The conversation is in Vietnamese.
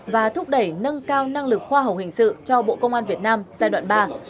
và thúc đẩy nâng cao năng lực khoa học hình sự cho bộ công an việt nam giai đoạn ba